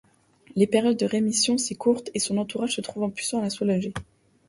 Les périodes de rémissions s'écourtent et son entourage se trouve impuissant à la soulager.